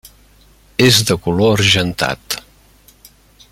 És de color argentat.